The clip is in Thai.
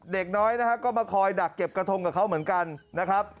เด็กน้อยนะฮะก็มาคอยดักเก็บกระทงกับเขาเหมือนกันนะครับ